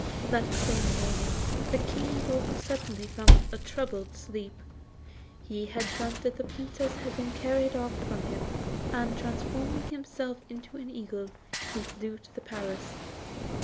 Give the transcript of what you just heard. That same morning the King woke suddenly from a troubled sleep. He had dreamt that the Princess was being carried off from him, and, transforming himself into an eagle, he flew to the palace.